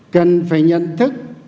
cần phải nhận thức